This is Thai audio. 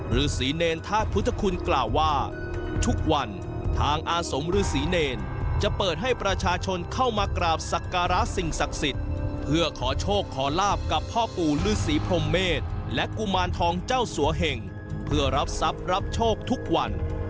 ฤษีเนรธาตุพุทธคุณกล่าวว่าทุกวันทางอาสมฤษีเนรจะเปิดให้ประชาชนเข้ามากราบสักการะสิ่งศักดิ์สิทธิ์เพื่อขอโชคขอลาบกับพ่อปู่ฤษีพรมเมษและกุมารทองเจ้าสัวเห่งเพื่อรับทรัพย์รับโชคทุกวัน